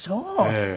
ええ。